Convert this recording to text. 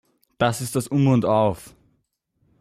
Das ist das Um und Auf.